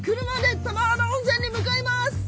車で玉肌温泉に向かいます。